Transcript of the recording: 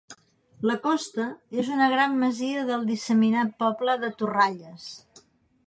La Costa és una gran masia del disseminat poble de Toralles.